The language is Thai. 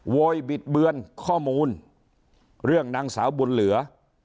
บิดเบือนข้อมูลเรื่องนางสาวบุญเหลือ